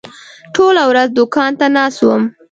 ټوله ورځ دوکان ته ناست وم.